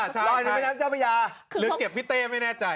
ลอยในแม่น้ำเจ้าพระยาหรือเก็บพี่เต้ไม่แน่ใจ